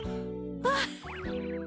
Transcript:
あっ。